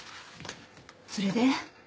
それで？